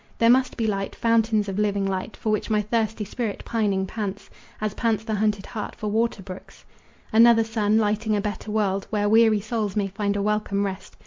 There must be light, fountains of living light, For which my thirsty spirit pining pants As pants the hunted hart for water brooks Another sun, lighting a better world, Where weary souls may find a welcome rest.